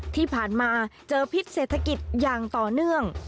ที่ผ่านมาเจอพิษเศรษฐกิจอย่างต่อเนื่อง